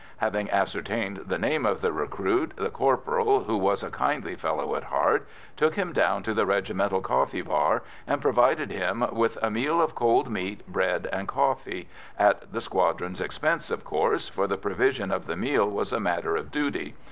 Having ascertained the name of the recruit, the corporal, who was a kindly fellow at heart, took him down to the regimental coffee bar and provided him with a meal of cold meat, bread, and coffee at the squadron's expense, of course, for the provision of the meal was a matter of duty.